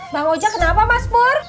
mbak ojak kenapa mas pur